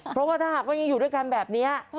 เพราะว่าถ้าหากว่ายังอยู่ด้วยกันแบบนี้